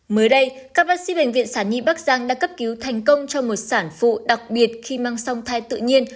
mới đây các bác sĩ bệnh viện sản nhi bắc giang đã cấp cứu thành công cho một sản phụ đặc biệt khi mang xong thai tự nhiên